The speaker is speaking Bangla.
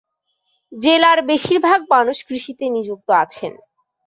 জেলার বেশিরভাগ মানুষ কৃষিতে নিযুক্ত আছেন।